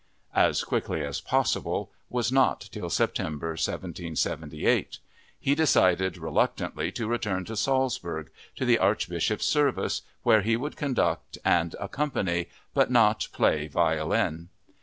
"As quickly as possible" was not till September 1778. He decided reluctantly to return to Salzburg, to the Archbishop's service, where he would conduct and accompany, but not play violin.